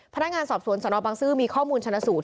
พนักงานสอบสวนสนบังซื้อมีข้อมูลชนะสูตร